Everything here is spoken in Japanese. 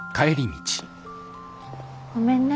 ごめんね。